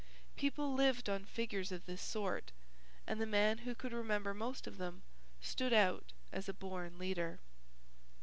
People lived on figures of this sort, and the man who could remember most of them stood out as a born leader.